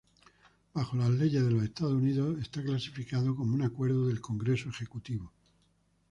Bajo las leyes de los Estados Unidos es clasificado como un acuerdo del Congreso-Ejecutivo.